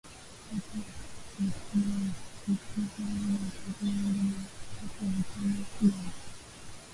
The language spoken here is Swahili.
watu Visiwa vikubwa vyenye wakazi wengi ni hasa vitano Java